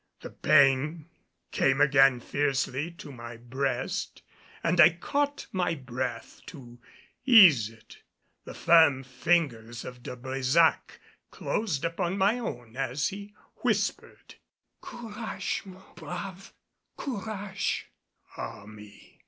The pain came again fiercely to my breast and I caught my breath to ease it. The firm fingers of De Brésac closed upon my own as he whispered. "Courage, mon brave! Courage!" Ah me!